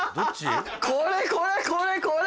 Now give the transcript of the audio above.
これこれこれこれ！